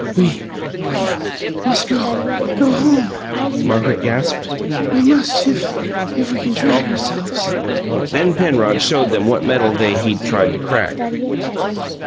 "We we must go go home," Margaret gasped. "We must, if if we can drag ourselves!" Then Penrod showed them what mettle they he'd tried to crack.